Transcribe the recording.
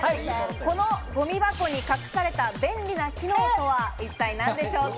このごみ箱に隠された便利な機能とは一体何でしょうか。